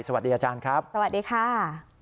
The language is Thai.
สวัสดีอาจารย์ครับสวัสดีค่ะสวัสดีครับ